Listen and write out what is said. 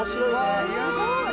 すごい！